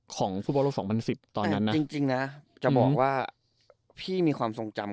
ของฟุตบอลโลกสองพันสิบตอนนั้นนะจริงจริงน่ะจะบอกว่าพี่มีความทรงจำ